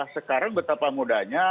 sekarang betapa mudahnya